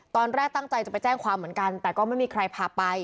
ตอนแรกตั้งใจจะไปแจ้งความเหมือนกันแต่ก็ไม่มีใครพาไป